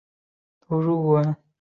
长其部族首领侬氏建立的政权。